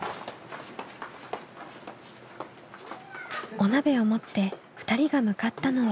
お鍋を持って２人が向かったのは。